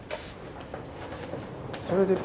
それで。